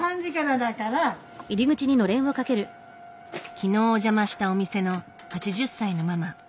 昨日お邪魔したお店の８０歳のママ。